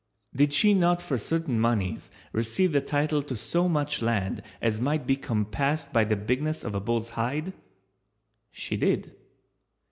Did she not for certain moneys receive the title to so much land as might be compassed by the bigness of a bull's hide. She did.